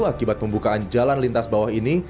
akibat pembukaan jalan lintas bawah ini